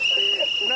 何？